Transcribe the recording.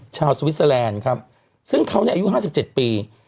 ชาวสวิสเซอแลนด์ครับซึ่งเขาเนี่ยอายุห้าสิบเจ็ดปี